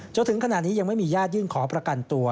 จนถึงขณะนี้ยังไม่มีญาติยื่นขอประกันตัว